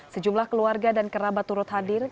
sejumlah keluarga dan kerabat turut hadir